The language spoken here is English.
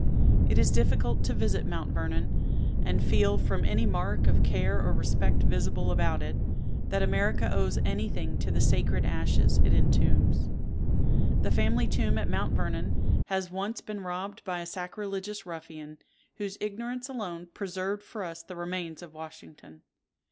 It is difficult to visit Mount Vernon, and feel, from any mark of care or respect visible about it, that America owes any thing to the sacred ashes it entombs. The family tomb at Mount Vernon has once been robbed by a sacrilegious ruffian, whose ignorance alone preserved for us the remains of Washington.